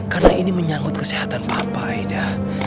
karena ini menyangkut kesehatan papa aida